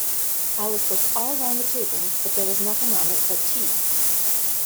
Alice looked all round the table, but there was nothing on it but tea.